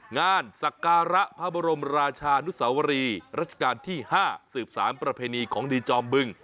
สักการะพระบรมราชานุสวรีรัชกาลที่๕สืบสารประเพณีของดีจอมบึง